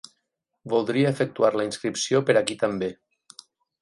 Voldria efectuar la inscripció per aquí també.